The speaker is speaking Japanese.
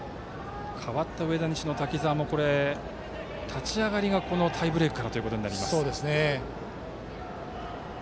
代わった上田西の滝沢も立ち上がりがタイブレークからということになります。